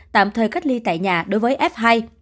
tạm thời cách ly tại nhà đối với f hai